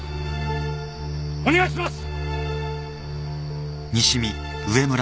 お願いします！